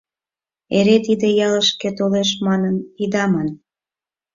Эре тиде ялышке толеш манын ида ман, -